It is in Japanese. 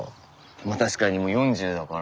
まあ確かにもう４０だから。